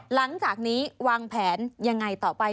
หลังจากนี้วางแผนยังไงต่อไป